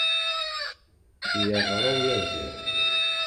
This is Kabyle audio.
Yeɣra uyaẓiḍ.